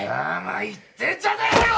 生言ってんじゃねえよ！！